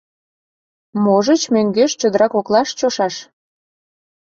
Можыч, мӧҥгеш чодыра коклаш чошаш?